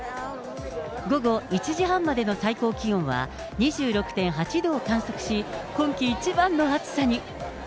午後１時半までの最高気温は２６．８度を観測し、今季一番の暑さに。